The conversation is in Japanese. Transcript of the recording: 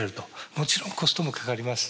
もちろんコストもかかります。